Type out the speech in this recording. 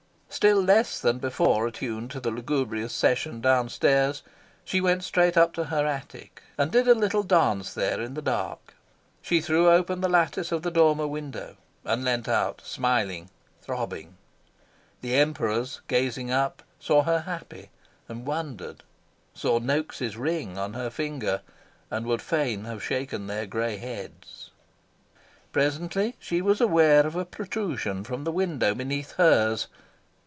Still less than before attuned to the lugubrious session downstairs, she went straight up to her attic, and did a little dance there in the dark. She threw open the lattice of the dormer window, and leaned out, smiling, throbbing. The Emperors, gazing up, saw her happy, and wondered; saw Noaks' ring on her finger, and would fain have shaken their grey heads. Presently she was aware of a protrusion from the window beneath hers.